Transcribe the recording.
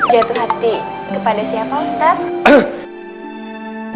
jatuh hati kepada siapa ustadz